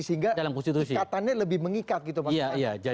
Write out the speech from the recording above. sehingga katanya lebih mengikat gitu maksudnya